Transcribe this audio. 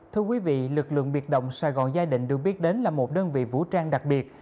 thưa quý vị lực lượng biệt động sài gòn gia đình được biết đến là một đơn vị vũ trang đặc biệt